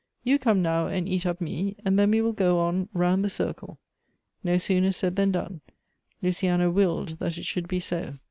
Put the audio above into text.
you come now and eat up me, and then we will go on round the circle." No sooner said than done. Luci ana willed that it should be so.